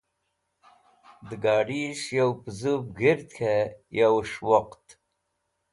Dẽ gad̃is̃h yo pẽz̃ũv g̃hird k̃hẽ yas̃h woqt.